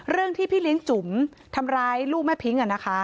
ที่พี่เลี้ยงจุ๋มทำร้ายลูกแม่พิ้ง